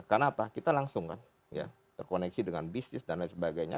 karena apa kita langsung kan ya terkoneksi dengan bisnis dan lain sebagainya